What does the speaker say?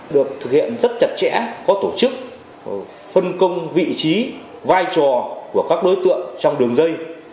được thực hiện rất chặt chẽ có tổ chức phân công vị trí vai trò của các đối tượng trong đường dây